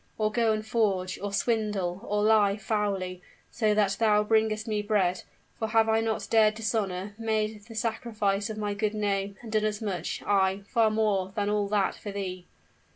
Or go and forge, or swindle, or lie foully, so that thou bringest me bread; for have I not dared dishonor, made the sacrifice of my good name, and done as much, ay, far more than all that, for thee?"